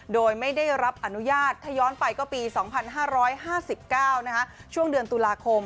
โดยไม่ได้รับอนุญาตถ้าย้อนไปก็ปี๒๕๕๙ช่วงเดือนตุลาคม